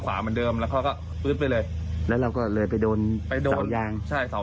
ใช่เสายาง